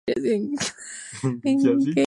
Su actual director es el Prof.